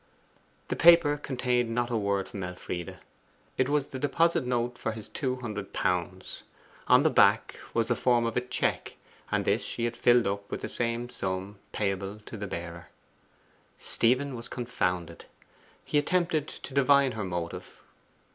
The paper contained not a word from Elfride. It was the deposit note for his two hundred pounds. On the back was the form of a cheque, and this she had filled up with the same sum, payable to the bearer. Stephen was confounded. He attempted to divine her motive.